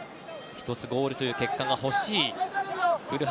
１つ、ゴールという結果が欲しい古橋。